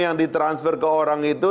yang di transfer ke orang itu